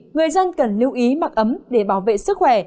người dân cần lưu ý mặc ấm để bảo vệ sức khỏe